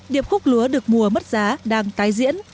điệp khúc lúa được mùa mất giá đang tái diễn